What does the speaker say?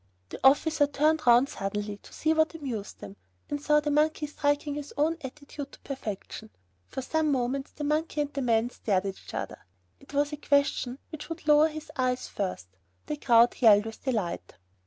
The officer turned round suddenly to see what amused them, and saw the monkey striking his own attitude to perfection. For some moments the monkey and the man stared at each other. It was a question which would lower his eyes first. The crowd yelled with delight.